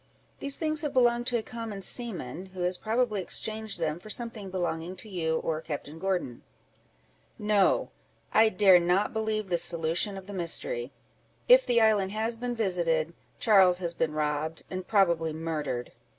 These things have belonged to a common seaman, who has probably exchanged them for something belonging to you or Captain Gordon." "No! I dare not believe this solution of the mystery: if the island has been visited, Charles has been robbed, and probably murdered."